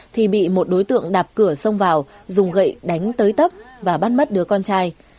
thì bị một đối tượng đạp cửa xông vào dùng gậy đánh tới tấp và bắt mất đứa con trai